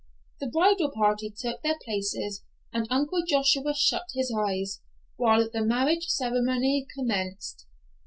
The bridal party took their places and Uncle Joshua shut his eyes, while the marriage ceremony commenced.